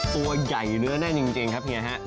ตัวใหญ่แน่นิ่งครับเฮียฮะ